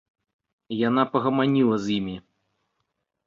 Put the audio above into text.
Яна пагаманіла з імі.